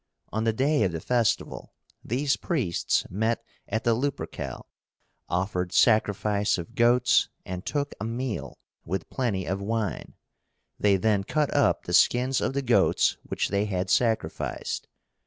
On the day of the festival these priests met at the Lupercal, offered sacrifice of goats, and took a meal, with plenty of wine. They then cut up the skins of the goats which they had sacrificed.